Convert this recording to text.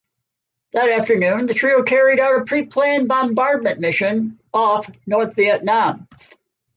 That afternoon, the trio carried out a preplanned bombardment mission off North Vietnam.